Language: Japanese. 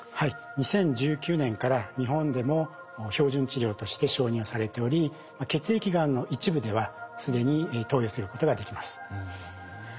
２０１９年から日本でも標準治療として承認はされており血液がんの一部では既に投与することができます。